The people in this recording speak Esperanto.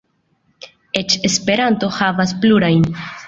Eĉ Esperanto havas plurajn.